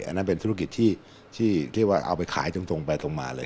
อันนั้นเป็นธุรกิจที่ว่าเอาไปขายตรงไปตรงมาเลย